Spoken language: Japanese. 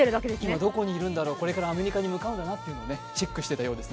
今どこにいるのか、これからアメリカに向かうんだなというのをチェックしていたようです。